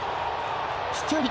飛距離